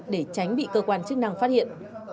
để tránh bị cơ quan chức năng phát hiện